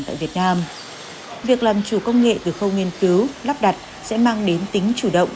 tại việt nam việc làm chủ công nghệ từ khâu nghiên cứu lắp đặt sẽ mang đến tính chủ động